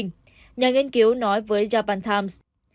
nhà nghiên cứu nói với japan times